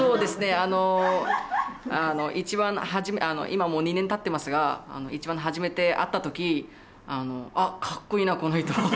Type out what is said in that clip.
あの一番初め今もう２年たってますが一番初めて会った時あっ格好いいなこの人。